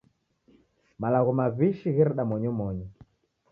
Malagho maw'ishi ghereda monyomonyo.